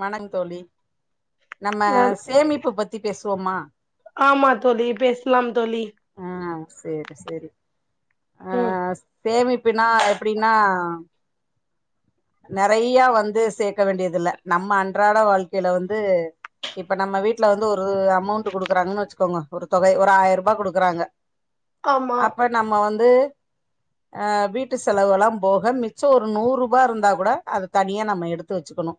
வணங் தோழி நம்ம ந சேமிப்பு பத்தி பேசுவோமா ஆமா தோழி பேசலா தோழி ஆஹ் செரி செரி அ ம் சேமிப்புனா எப்டின்னா நெறய வந்து சேக்க வேண்டியது இல்ல நம்ம அன்றாட வாழ்க்கையில வந்து இப்ப நம்ம வீட்டுல வந்து ஒரு அமௌண்ட்டு குடுக்கறாங்கன்னு வச்சுக்கோங்க ஒரு தொகை கூட ஒரு ஆயிரப் ரூபா குடுக் க்கறாங்க ஆமா அப்ப நம்ம வந்து அ வீட்டு செலவுெலாம் போக மிச்சம் ஒரு நூறுரூபா இருந்தா கூட அத தனியா நம்ம எடுத்து வச்சுக்கணோ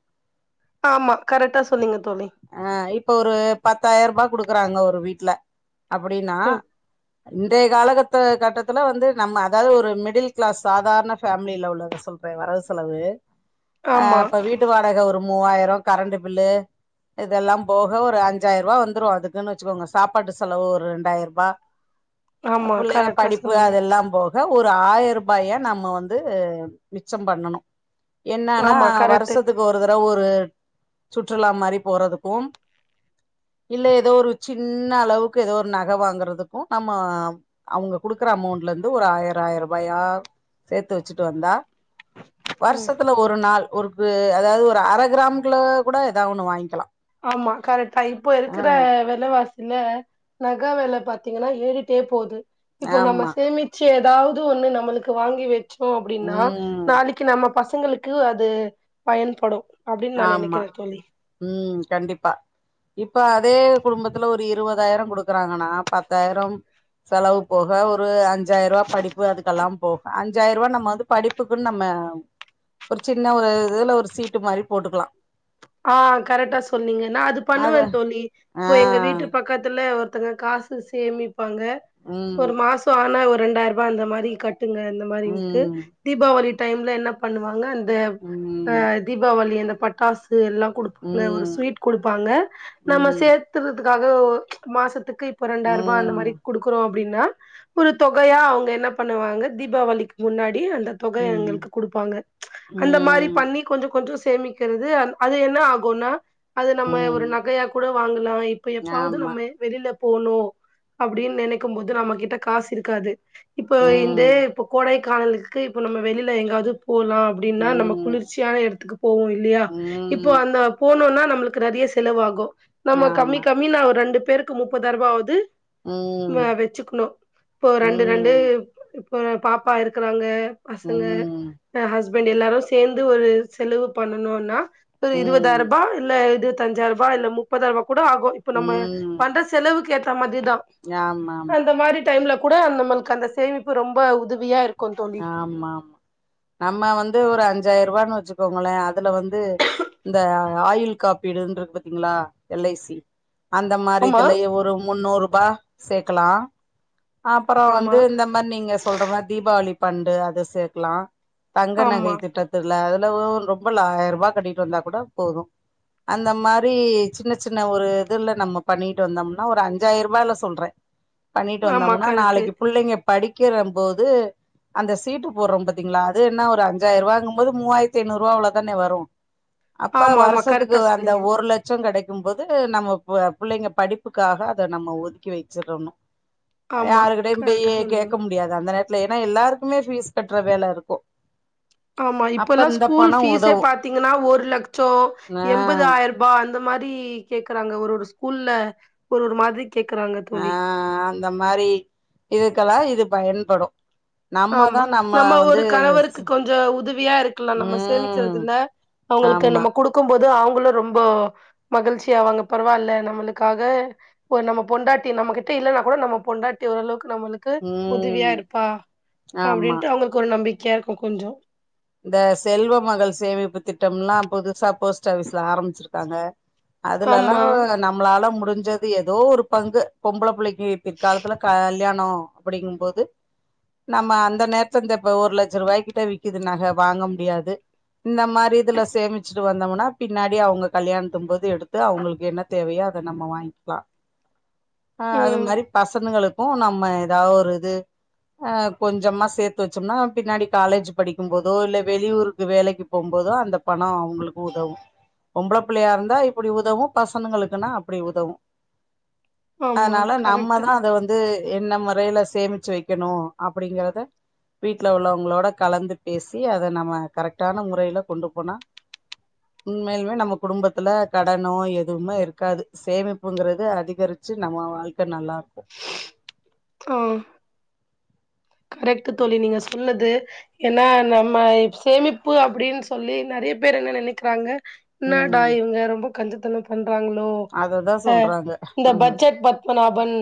ஆமா கரெக்டா சொன்னீங்க தோழி அ இப்ப ஒரு பத்தாயிரம் ரூபாய் குடுக்குறாங்க ஒரு வீட்டுல அப்படின்னா ம் இன்றைய கால கட்டத்துல வந்து நம்ம அதாவது ஒரு மிடில் கிளாஸ் சாதாரண பேமிலீல உள்ளவங்க சொல்ற் இப்ப வரவு செலவு அ ஆமா இப்ப வீட்டு வாடகை ஒரு மூவாயிரம் கரண்ட் பில்லு இதெல்லா போக ஒரு அஞ்சாயிரம் ரூபா வந்துரூ அதுக்குன்னு வச்சுக்கோங்க சாப்பாட்டு செலவு ஒரு ரெண்டாயிரெ ரூபா அ ஆமா புள்ளைங்க கரெக்டா படிப்பு சொன்னீங்க அதெல்லா போக எதே ஒரு ஆயிரம் ரூபாயா நம்ம வந்து மிச்சொ பண்ணனூ என்னன்னா ஆமா கரெக்ட்டு வருஷத்துக்கு ஒரு தடவ ஒரு சுற்றுலா மாரி போறதுக்கூ இல்ல ஏதோ ஒரு சின்ன அளவுக்கு ஏதோ ஒரு நக வாங்குறதுக்கு நம்ம அவங்க குடுக்குற அமௌண்ட்ல இருந்து ஒரு ஆயிராயயிரெ ரூபாயா சேர்த்து வச்சுட்டு வந்தா ம் வருஷத்துல ஒரு நாள் ஒரு து அதாவது ஒரு அரை கிராம்குள்ள கூட ஏதாவது ஒண்ணு வாங்கிக்கலா ஆமா கரெக்டா இப்போ ஆ இருக்கிற வெல இல்ல நகெ வெல பாத்தீங்கன்னா ஏறிகிட்டே போது இப்போ நம்ம ஆமா சேமித் சச்சு ஏதாவது ஒண்ணு நம்மளுக்கு வாங்கி வச்சோ அப்டின்னா ம் நாளைக்கு நம்ம பசங்களுக்கூ அது பயன்படூ அப்படின்னு நா ஆமா நினைக்கிறே தோழி ம் கண்டிப்பா இப்ப அதே குடும்பத்துல ஒரு இருவதாயிரம் குடுக்குறாங்கன்னா பத்தாயிரம் செலவு போக ஒரு அஞ்சாயிரப் ரூபா படிப்பு அதுக்கெல்லா போக அஞ்சாயிரெ ரூபா நம்ம வந்து படிப் க்குன்னு நம்ம ஒரு சின்ன ஒரு இதுல ஒரு சீட்டு மாரி போட்டுக்கலா ஆ கரெக்டா சொன்னீங்க நா அது அத பண்ணுவே தோழி இப்போ எங்க ஆ வீட்டு பக்கத்துல ஒருத்தங்க காஸ் சேமிப்பாங்க ம் ஒரு மாசெ ஆனா ஒரு ரெண்டாயிரெ ரூபா அந்த மாரி கட்டுங்க இந்மாரின்ட்டு ம் தீபாவளி டைம்ல என்ன பண்ணுவாங்க அந் இதெ அ ம் ம் தீபாவளி அந்த பட்டாசு எல்லா கொடுத் ஒரு ம் ஸ்வீட் கொடுப்பாங்க நம்ம ம் சேர்த்தறதுக்காக மாசத்துக்கு இப்ப ரெண்டாயிரெ ரூபா அந்த ம் மாதிரி குடுக் குறோ அப்டின்னா ஒரு தொகையா அவங்க என்ன பண்ணுவாங்க தீபாவளிக்கு முன்னாடி அந்த தொகை எங்களுக்கு குடுப்பாங்க அந்த மாதிரி ம் பண்ணி கொஞ்சொ கொஞ்சொ சேமிக்கிறது அ அது என்ன ஆகுமன்னா அது நம்ம ம் ஒரு நகையா கூட வாங்கலா இப்ப எப்பாவது ஆமா நம்ம வெளியில போனோ அப்படின்னு நினைக்கும் போது நம்ம கிட்ட காசு இருக்காது இப்போ இந்த ம் இப்போ கோடைக் கானலுக்கு இப்ப நம்ம வெளியில எங்காவது போலா அப்படின்னா நம்ம ம் குளிர்ச்சியான எடத்துக்கு போவோ இல்லையா இப்போ ம் அந்த போனோனா நம்ளுக் நெறய செலவாகோ நம்ம கம்மி ஆமா கம்மி நாம ரெண்டு பேருக்கு முப்பதாயிர ரூபா ஆவ்து ம் இங்கே வச்சுக்கணூ இப்போ ரெண்டு ரெண்டு ம் இப்ப பாப்பா இருக்கறாங்க பசங்க ம் அ வயஸ்ப் இப்ப எல்லாரூ சேர்ந்து ஒரு செலவு பண்ணனோன்னா ஒரு இருபதாயிர ம் ரூபா இல்ல இது தஞ்சாயிரபா இல்ல முப்பதாயிரபா கூட ஆகோ இப்ப நம்ம ம் பண்ற செலவுக்கு ஏத்தா மாதிரிதா ஆமா ஆமா அந்த மாரி டைம்ல கூட நம்மளுக்கு அந்த சேமிப்பு ரொம்ப உதவியா இருக் ஆமாம்மா நம்ம வந்து ஒரு அஞ்சாயிரவான்னு வச்சுக்கோங்களே அதுல வந்து இந்த ஆயுள் காப்பீடுன்று இருக்கு பாத்தீங்ளா எல் ஐ சி அந்த மாரி ஆமா இதுலையு ஒரு முன்னூறுபா சேக்கலா அப்றோ ஆமா வந்து இந்த மாரி நீங்க சொல்ற மாரி தீபாவளி பண்டு அது சேக்கலா தங்க நகை ஆமா திட்டத்துல அதுல ஒ ரொம்பல்ல ஆயிரரூபா கட்டிட்டு வந்தா கூட போது அந்த மாரி சின்ன சின்ன ஒரு இதுல நம்ம பண்ணிட்டு வந்தோம்னா ஒரு அஞ்சாயிரூபாயில சொல்ற பண்ணிட்டு ஆமா வந்தோமுனா கரெக்ட்டு நாளைக்கு புள்ளைங்க படிக்கிறம் போது அந்த சீட்டு போறோ பாத்தீங்ளா அது என்ன ஒரு அஞ்சாயிருவாங்கு போது மூவாயிரத்தி ஐந்நூறுவா அவ்ளோதான வரு அப்ப ஆமா ஆமா வருஷத்துக்கு கரெக்டா அந்த சொன்னீங்க ஒரு லட் ச்சோ கெடைக்கு போது நம்ம புள்ளைங்க படிப்புக்காக அத நம்ம ஒதுக்கி வெச்சிறன்னு ஆமா யாருகிட்டயு கரெக்டா பயி சொன்னீங்க கேக்க மு டியாது அந்த நேரத்துல ஏனா எல்லாருக்குமே ஃபீஸ் கட்ற வேல இருக்கு ஆமா அப்ப இப்பெல்லா இந்த ஸ்கூல் பணம் ஃபீஸே உதவு பாத்தீங்கன்னா ஒரு லக்ட்சோ ஆ எம்பதாயி ரூபா அந்த மாரி கேக்குறாங்க ஒரு ஒரு ஸ்கூல்ல ஒரு ஒரு மாரி கேக்குறாங்க தோழி அ அந்த மாரி இதுக்கெல்லா இது பயன்படு நம்மதா ஆமா நம்ம ஒரு வந்து கணவருக்கு கொஞ்சோ உதவியா இருக்கல்லா நம்ம ம் சேமிச்சதுல அவுங்களுக்கு ஆமா நம்ம குடுக் கும்போது அவுங்களு ரொம்ப மகிழ்ச்சி ஆவாங்க பரவாயில்ல நம்மளுக்காக ஒரு நம்ம பொண்டாட்டி நம்மகிட்ட இல்லன்னா கூட நம்ம பொண்டாட்டி ஓரளவுக்கு நம்மளுக்கு ம் உதவியா இருப்பா ஆமா அப்டின்ட்டு அவுங்களுக்கு ஒரு நம்பிக்கையா இருக்கோ கொஞ்சோ இந்த செல்வ மகள் சேமிப்பு திட்டம்ல்லா புதுசா போஸ்ட் ஆஃபிஸ்ல ஆரம்பிச்சிருக்காங்க அதுலல்லா ஆமா நம்மளால முடிஞ்சது ஏதோ ஒரு பங்கு பொம்பள புள்ளைக் கு பிற்காலத்துல கல் கல்யானோ அப்டிங்கு போது நம்ம அந்த நேரத்த இந்த இப்ப ஒரு லட்சோருபாய்கிட்ட விக்குது நக வாங்க முடியாது இந்த மாரி இதுல சேமிச்சிட்டு வந்தோம்னா பின்னாடி அவுங்க கல்யாணத்தும் போது எடுத்து அவுங்களுக்கு என்ன தேவையோ அத நம்ம வாங்க்கிலா அது ம் மேரி பசனங்களுக் கு நம்ம ஏதா ஒரு இது அ கொஞ்சமா சேத்து வச்சோம்னா பின்னாடி காலேஜ் படிக் கும் போதோ இல்ல வெளியூருக்கு வேலைக்கு போம் போதோ அந்த பணோ அவுங்களுக்கு உதவு பொம்பள புள்ளையா இருந்தா இப்டி உதவு பசனங்களுக்குன்னா அப்டி உதவு ஆமா அதனால கரெக்ட்டு நம்மதா அத வந் என்ன மொறையில சேமிச்சு வைக்கனு அப்டிங்கிறத வீட்ல உள்ளவங்களோட கலந்து பேசி அத நம்ம கரெக்ட்டான முறையில கொண்டு போனா உண்மையலுமே நம்ம குடும்பத்துல கடனோ எதுவுமே இருக்காது சேமிப்புங்கிறது அதிகரி ச்சி நம்ம வாழ்க்க நல்லா இருக்கு அ கரெக்ட்டு தோழி நீங்க சொன்னது ஏனா நம்ம சேமிப்பு அப்டின்னு சொல்லி நெறைய பேர் என்ன நெனைக்கிறாங்க என்னடா ம் இவுங்க ரொம்ப கஞ்சத்தனோ பண்றாங்ளோ அததா அ சொல்றாங்க இந்த பட்ஜெட் ப த்பனாபன்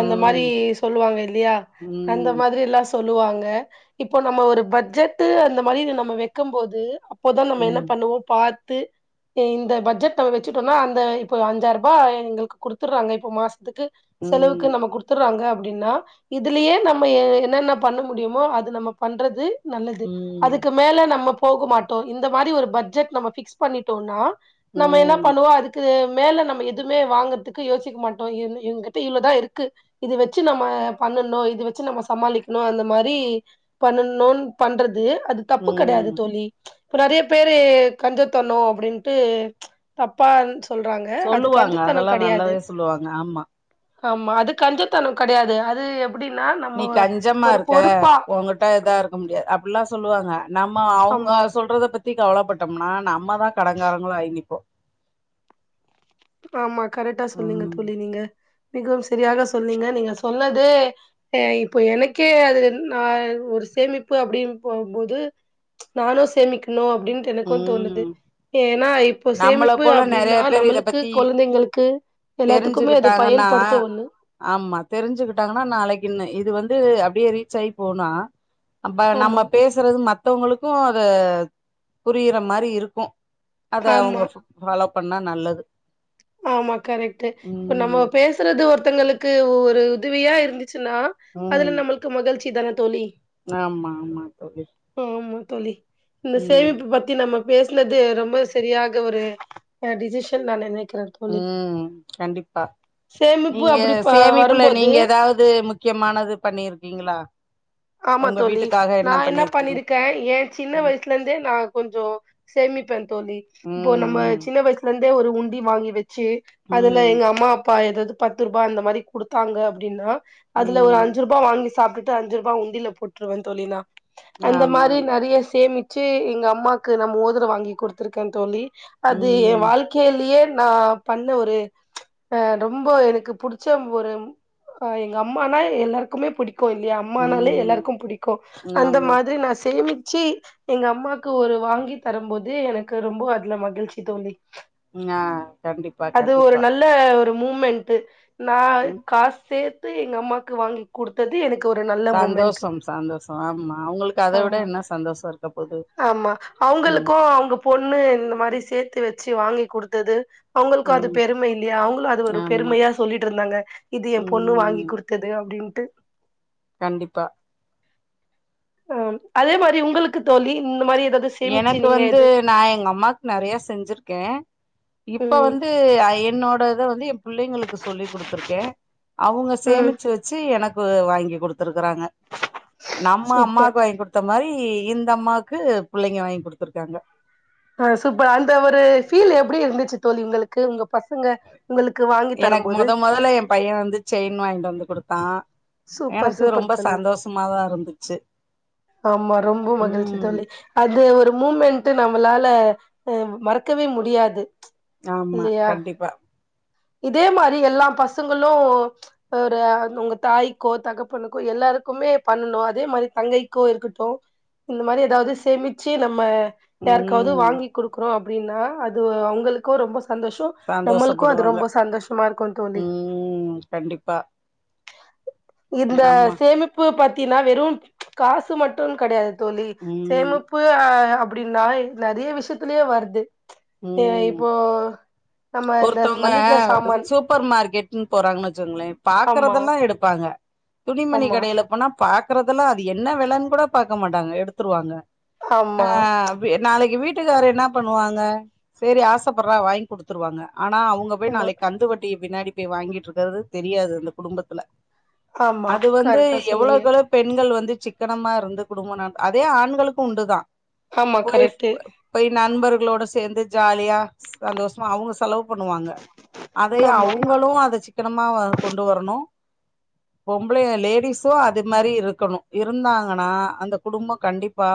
அந்த மாரி ம் சொல்லுவாங்க இல்லியா இந்த ம் மாதிரி எல்லா சொல்லுவாங்க இப்போ நம்ம ஒரு பட்ஜெட்டு அந்த மாரி நம்ம வெக்கும்போது போத நம்ம என்ன ம் பண்ணுவோ பாத் த்து இந்த பட்ஜெட்ட வச்சுட்டோன்னா அந்த இப்ப அஞ்சாயிரூபா எங்களுக்கு குடுத்துறாங்க இப்ப மாச த்துக்கு செலவுக்கு ம் நம்ம குடுத்துட்றாங்க அப்டின்னா இதுலயே நம் ம்ம ஏ என்னென்ன பண்ண முடியுமோ அது நம்ம பண்றது நல்லது ம் அதுக்கு மேல நம்ம போக மாட்டோ இந்த மாரி ஒரு பட்ஜெட் நம்ம ஃபிக்ஸ் பண்ணிட்டோன்னா நம்ம என்ன ம் பண்ணுவோ அது க்கு மேல நம்ம எதுமே வாங்கர்த்துக்கு யோசிக்க மாட்டோ இவங் இவங்கிட்ட இவ்ளதா இருக்கு இது வச்சு நம்ம பண்ணணு இது வ வச்சு நம்ம சமாளிக்கணு அந்த மாரி பண்ணணு பண்றது அது தப்பு கடையாது ம் தோழி இப்ப நறைய பேரு கஞ்ச தன்னோ அப்டின்ட்டு தப்பா சொல்றாங்க அது கஞ்ச சொல்லுவாங்க தனோ அதெல்லா கடையாது நல்லாவே சொல்லுவாங்க ஆமா ஆமா அது கஞ்சத்தனோ கடையாது அது எப்டி நீ கஞ்சமாருக்க ஒங்கிட்ட இதாருக்க க்க முடியாது அப்பில்லா சொல்லுவாங்க நம்ம ஆமா அவுங்க சொல்றத பத்தி பத்தி கவலப்பட்டம்னா நம்ம தா கடங்காரங்ளா ஆயி நிப்போ ஆமா கரெக்டா சொன்னிங்க ம் தோழி நீங்க மிகவும் சரியாக சொன்னிங்க நீங்க சொன்னது ஏ இப்போ எனக்கே அது என் நா ஒரு சேமிப்பு அப்டின் போ போது நானு சேமிக்குணு அப்டின் எனக்கு தோணுது ம் ஏனா இப்போ நம்மள சேமிப்பு போல நெறைய அப்டின்னா பேர் இத நம்முளுக்கு பத்தி குழந்தைகளுக்கு எல்லாத்துக்குமே அது தெரிஞ்சுக்கிட்டாங்கன்னா பயன்படுத்த ஒன்னு ஆமா தெரிஞ்சுகிட்டாங்கன்னா நாளைக்கி இது வந்து அப்டியே ரீச் ஆயி போனா அப்ப நம்ம ஆமா பேசுறது மத்தவங்களுக்கு அத புரியிற மாரி இருக்கு அத அவுங்க ஆமா ஃபாலோ பண்ணா நல்லது ஆமா கரெக்ட்டு இப்ப நம்ம ம் பேசுறது ஒருத்தங்களுக்கு ஒரு உதவியா இருந்து ச்சினா ம் அதுல நம்மளுக்கு மகிழ்ச்சி தான தோழி ஆமா ஆமா தோழி.. ஆமா தோழி இந்த ம் சேமிப்பு பத் த்தி நம்ம பேசுனது ரொம்ப சரியாக ஒரு அ டிசிஷன் நா நெனைக்கிறே ம் கண்டிப்பா சேமிப்பு நீங்க அப்டி ப சேமிப்புல வரும்போது நீங்க எதாது முக்கியமானது பண்ணியிருக்கீங்களா ஆமா தோழி நா என்ன பண்ணிருக்கீங்க பண்ணிருக்கே என் சின்ன ம் வயசுலேருந்தே நா கொஞ்சோ சேமிப்பே தோழி இப்போ நம்ம ம் சின்ன வய்சு சுலேந்தே ஒரு உண்டி வாங்கி வச்சு அதுல ம் எங்க அம்மா அப்பா எதாது பத்துருபா அந்த மாரி குடுத்தாங்க அப்டின்னா ம் அதுல ஒரு ம் அஞ்சுருபா வாங்கி சாப்ட்டுட்டு அஞ்சு ரூபாய் உ ண்டியல்ல போட்ருவே தோழி நா ஆமா அந்த ஆமா மாரி நறைய சேமி ச்சு எங்க அம்மாக்கு நா மோதரோ வாங்கி குடுத்துருக்கே தோழி அது ஏ ம் வாழ்க்கைலயே நா பண்ண ஒரு ஆ ரொம்ப எனக்கு புடிச்ச ஒரு அ எங்க அம்மானா எல்லாருக்குமே புடிக்கு இல்லையா அம்மானாலே ம் எல்லாருக்கு புடிக்கு அந்த ஆமா மாதிரி நா சேமிச்சு எங்க அம்மாக்கு ஒரு வாங்கி தரம்போது எனக்கு ரொம்ப அதுல மகிழ்ச்சி தோழி ங்யா கண்டிப்பா கண்டிப்பா இந்த ஒரு மூமெண்ட்டு நா ம் காஸ் சேத்து எங்க அம்மாக்கு வாங்கி குடுத்தது எனக்கு ஒரு நல்ல மூமெண்ட் ம் சந்தோஷம் ஆம் ஆமா ஆமா ம் அவுங்குளுக்கு அவுங்க பொண்ணு இந்த மாரி சேத்து வச்சு வாங்கி குடுத்தது அவுங்களுக்கு அது ம் பெரும இல்லியா அவுங்களு அது ஒரு ஆமா பெருமயா சொல்லிட்ருந்தாங்க இது எ பொண்ணு வாங்கி ம் குடு த்தது அப்டின்ட்டு கண்டிப்பா ஆ அதே மாரி உங்களுக்கு தோழி இந்த மாரி எதாது சேமிச்சு எனக்கு நீங்க வந்து எது நா எங்க அம்மாக்கு நறைய செஞ்சிருக்கே இப்ப ம் வந்து என்னோட இத வந்து புள்ளைங்களுக்கு சொல்லி குடுத்துருக்கே அவுங்க ம் சேமிச்சு வச்சு எனக்கு வாங்கி குடுத்துருக்குறாங்க நம்ம சூப்பர் அம்மாக்கு வாய்ன் குடுத்த மாரி இந்த அம்மாக்கு புள்ளைங்க வாய்ன் குடுத்துருக்காங்க ஆ சூப்பர் அந்த ஒரு ஃபீல் எப்டி இருந்துச்சு தோழி உங்களுக்கு உங்க பசங்க உங்களுக்கு வாங்கி தரம்போது பையேன் வந்து செயின் வாய்ன்ட்டு வந்து குடுத்தா சூப்பர் எனக்கு சூப்பர் ரொம்ப தோழி சந்தோஷமாதா இருந்துச்சு ஆமா ரொம்ப மகிழ்ச்சி ம் தோழி அது ஒரு மூமெண்ட்டு நம்மளால அ மறக்கவே முடியாது ஆமா இல்லையா கண்டிப்பா இதே மாரி எல்லா பசங்களு ஒரு உங்க தாய் க்கோ தகப்பனுக்கோ எல்லாருக்குமே பண்ணணு அதே மாரி தங்கைக்கோ இருக்கட்டு இந்த மாரி எதாவ்து சேமிச்சு நம்ம யாருக்காவ்து ம் வாங்கி குடுக்குறோ அப்டின்னா அது அவுங்களுக்கு ரொம்ப சந்தோஷோ நம்மள்க்கு அது சந்தோஷப்படுவாங்க ரொம்ப சந்தோஷமாருக்கு தோழி ம் கண்டிப்பா இந்த நம்ம சேமிப்பு பாத்தீன்னா வெறு காசு மட்டுன்கெடயாது தோழி ம் சேமிப்பு அப்டின்னா நறைய விஷ்யத்திலே வர்து ஏ இப்போ நம்ம இந்த ஒர்த்தோங்க மளிக சாமான் சூப்பர் மார்க்கெட்ன் போறாங்கன் வச்சுக்கோங்ளே ஆமா பாக்றதெல்லா எடுப்பாங்க துணிமணி ஆமா கடைல போனா பாக்றதெல்லா அது என்ன வெலன் கூட பாக்க மாட்டாங்க எடுத்துருவாங்க ஆ ஆமா நாளைக்கு வீட்டுக்காரு என்னா பண்ணுவாங்க சேரி ஆசப்பட்றா வாய்ன் குடு த்துருவாங்க ஆனா அவுங்க போய் ஆமா நாளைக் கந்து வட்டிக்கு பின்னாடி போய் வாங்கிட்ருக்கறது தெரியாது அந்த குடும்பத்துல ஆமா அது வந்து கரெக்டா சொன்னீங்க எவ்ளோக்கெவ்ளோ பெண்கள் வந்து சிக்கனமாருந்து குடும்பம் ந அதே ஆண்களுக்கு உண்டுதா ஆமா போய் கரெக்ட்டு போய் நண்பர்களோட சேந்து ஜாலியா சந்தோஷ்மா அவுங்க செலவு பண்ணுவாங்க அதே ஆமா அவுங்களு அத சிக்கனமா கொண்டு வரனு பொம்பளைய லேடிஸு அது மாரி இருக்கனு இருந்தாங்கனா அந்த குடும்போ கண்டிப்பா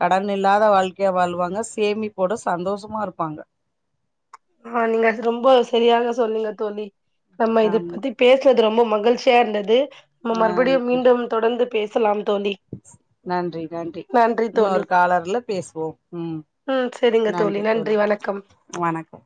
கடன் இல்லாத வாழ்க்கைய வாழ்வாங்க சேமிப்போட சந்தோஷமாருப்பாங்க ஆ நீங்க அத ரொம்ப சரியாக சொன்னீங்க தோழி நம்ம இது ஆமா பத்தி பேசுனது ரொம்ப மகிழ்ச்சியா இருந்தது நம்ம ஆ மறுப்டியும் மீண்டும் தொடர்ந்து பேசலாம் தோழி நன்றி நன்றி இன்னொரு காலர்ல பேசுவோம் உம் ம் செரிங்க தோழி நன்றி வணக்கம் வணக்கம்